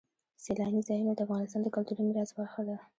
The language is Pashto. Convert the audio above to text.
سیلاني ځایونه د افغانستان د کلتوري میراث برخه ده.